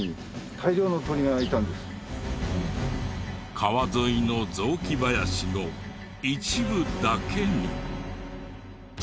川沿いの雑木林の一部だけに。